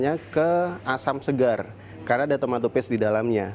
kecenderungannya ke asam segar karena ada tomato paste di dalamnya